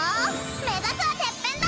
目指すはてっぺんだ！